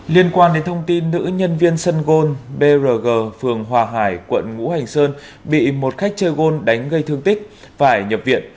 liên quan đến thông tin nữ nhân viên sân gôn brg phường hòa hải quận ngũ hành sơn bị một khách chơi gôn đánh gây thương tích phải nhập viện